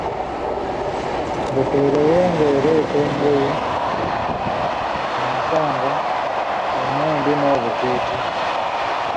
Bukerewe ng'ereeta engoye, amasanga, emmundu n'obutiiti.